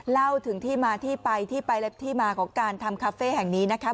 เล่าถึงที่มาที่ไปที่ไปและที่มาของการทำคาเฟ่แห่งนี้นะคะ